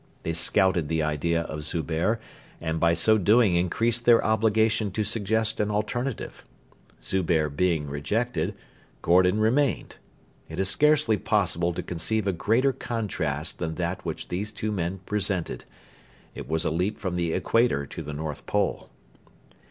They scouted the idea of Zubehr, and by so doing increased their obligation to suggest an alternative. Zubehr being rejected, Gordon remained. It is scarcely possible to conceive a greater contrast than that which these two men presented. It was a leap from the Equator to the North Pole.